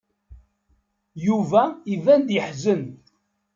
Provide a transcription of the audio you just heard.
Yuba iban-d yeḥzen.